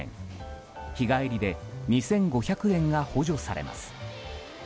日帰りで２５００円が補助されます。